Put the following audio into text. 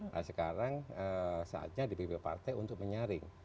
nah sekarang saatnya dpp partai untuk menyaring